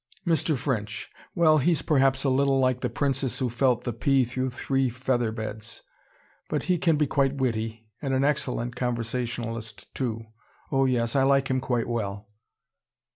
"Mr. French! Well, he's perhaps a little like the princess who felt the pea through three feather beds. But he can be quite witty, and an excellent conversationalist, too. Oh yes, I like him quite well."